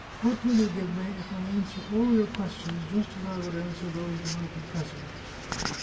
What will you give me if I answer all your questions just as I would answer those of my confessor